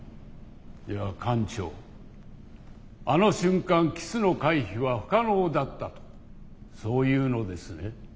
では艦長あの瞬間キスの回避は不可能だったとそう言うのですね？